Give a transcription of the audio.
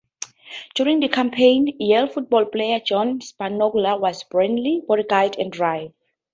During the campaign, Yale football player John Spagnola was Bradley's bodyguard and driver.